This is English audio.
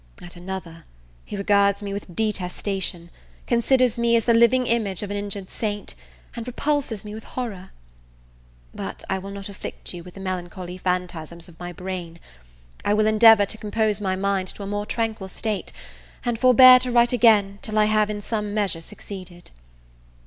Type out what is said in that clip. at another, he regards me with detestation, considers me as the living image of an injured saint, and repulses me with horror! But I will not afflict you with the melancholy phantasms of my brain; I will endeavour to compose my mind to a more tranquil state, and forbear to write again till I have in some measure succeeded.